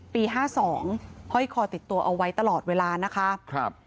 ปี๕๒ก็ยิ่งที่คอติดตัวเอาไว้ตลอดเวลานะคะ